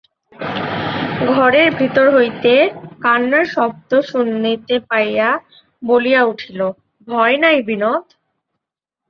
ঘরের ভিতর হইতে কান্নার শব্দ শুনিতে পাইয়া বলিয়া উঠিল, ভয় নাই বিনোদ!